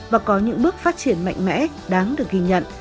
và có những bước phát triển mạnh mẽ đáng được ghi nhận